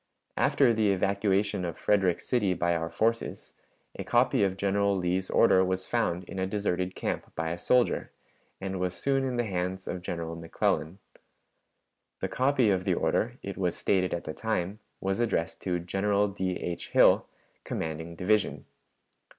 After the evacuation of Frederick City by our forces, a copy of General Lee's order was found in a deserted camp by a soldier, and was soon in the hands of General McClellan. The copy of the order, it was stated at the time, was addressed to 'General D. H Hill, commanding division.'